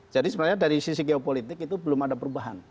jadi sebenarnya dari sisi geopolitik itu belum ada perubahan